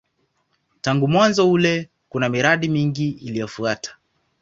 Tangu mwanzo ule kuna miradi mingi iliyofuata.